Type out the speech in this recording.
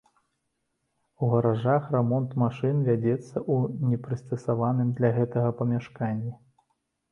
У гаражах рамонт машын вядзецца ў непрыстасаваным для гэтага памяшканні.